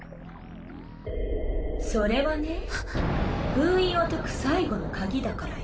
封印を解く最後の鍵だからよ。